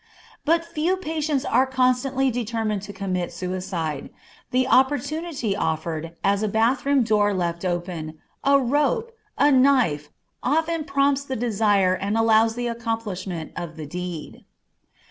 But few patients are constantly determined to commit suicide. The opportunity offered, as a bath room door left open, a rope, a knife, often prompts the desire and allows the accomplishment of the deed.